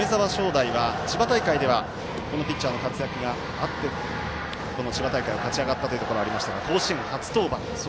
大は千葉大会ではこのピッチャーの活躍があって千葉大会を勝ち上がったところがありますが甲子園では初登板。